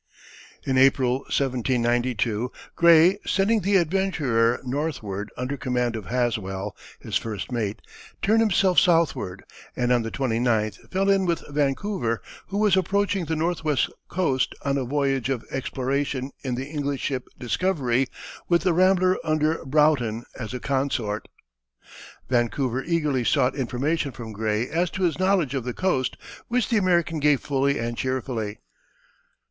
In April, 1792, Gray, sending the Adventurer northward under command of Haswell, his first mate, turned himself southward, and on the 29th fell in with Vancouver, who was approaching the northwest coast on a voyage of exploration in the English ship Discovery, with the Rambler under Broughton as a consort. Vancouver eagerly sought information from Gray as to his knowledge of the coast, which the American gave fully and cheerfully.